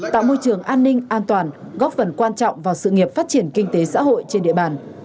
tạo môi trường an ninh an toàn góp phần quan trọng vào sự nghiệp phát triển kinh tế xã hội trên địa bàn